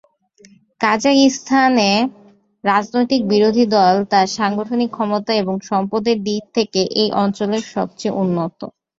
কাজাখস্তানের রাজনৈতিক বিরোধী দল তার সাংগঠনিক ক্ষমতা এবং সম্পদের দিক থেকে এই অঞ্চলে সবচেয়ে উন্নত।